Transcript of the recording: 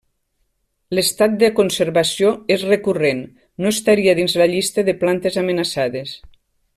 L'estat de conservació és recurrent, no estaria dins la llista de plantes amenaçades.